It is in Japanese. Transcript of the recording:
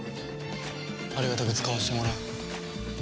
ありがたく使わせてもらう。